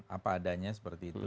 apa adanya seperti itu